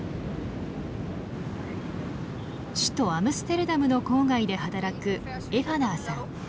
首都アムステルダムの郊外で働くエファナーさん。